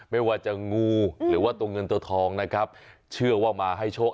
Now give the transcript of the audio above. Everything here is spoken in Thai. ไม่ว่าจะงูหรือว่าตัวเงินตัวทองนะครับเชื่อว่ามาให้โชค